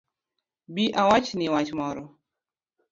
Bi awachni wach moro